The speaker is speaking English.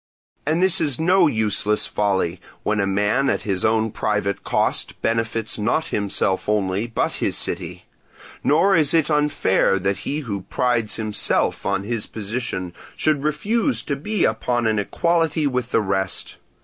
And this is no useless folly, when a man at his own private cost benefits not himself only, but his city: nor is it unfair that he who prides himself on his position should refuse to be upon an equality with the rest.